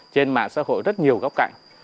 trên mạng xã hội rất nhiều góc cạnh